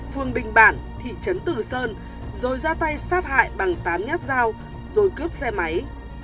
phường đình bảng thị trấn tử sơn rồi ra tay sát hại bằng tám nhát dao rồi cướp xe máy